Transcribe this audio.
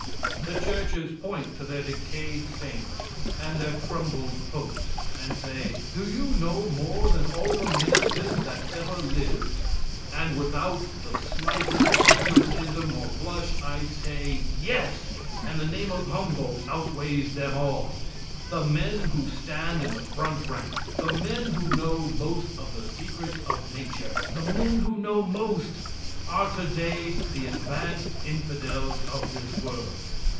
The churches point to their decayed saints and their crumbled popes and say, "Do you know more than all the ministers that ever lived?" And, without the slightest egotism or blush, I say, "Yes; and the name of Humboldt outweighs them all." The men who stand in the front rank, the men who know most of the secrets of nature, the men who know most are today the advanced infidels of this world.